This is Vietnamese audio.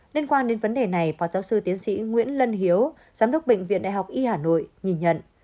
liên quan đến vấn đề này phó giáo sư tiến sĩ nguyễn lân hiếu giám đốc bệnh viện đại học y hà nội nhìn nhận